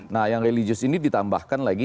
nah yang religius ini ditambahkan lagi